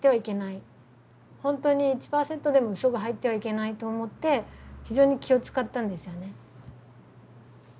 本当に１％でも嘘が入ってはいけないと思って非常に気を遣ったんですよね。